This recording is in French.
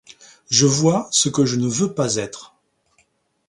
Je vois ce que je ne veux pas être.